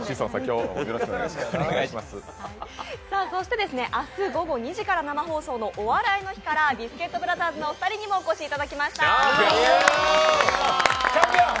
そして明日午後２時から生放送の「お笑いの日」からビスケットブラザーズのお二人にもお越しいただきました。